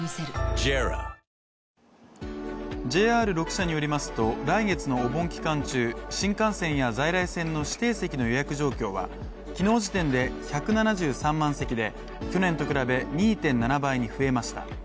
ＪＲ６社によりますと、来月のお盆期間中、新幹線や在来線の指定席の予約状況は昨日時点で１７３万席で、去年と比べ２．７倍に増えました。